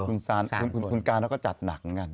คุณการเขาก็จัดหนัก